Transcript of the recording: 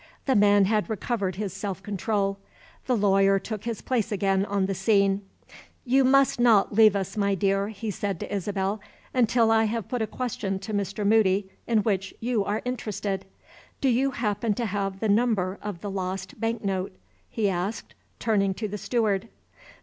The man had recovered his self control; the lawyer took his place again on the scene. "You must not leave us, my dear," he said to Isabel, "until I have put a question to Mr. Moody in which you are interested. Do you happen to have the number of the lost bank note?" he asked, turning to the steward.